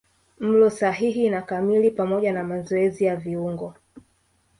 Mlo sahihi na kamili pamoja na mazoezi ya viungo